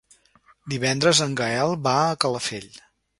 Divendres en Gaël va a Calafell.